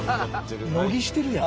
乃木してるやん。